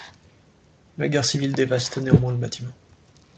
La guerre civile dévaste néanmoins le bâtiment.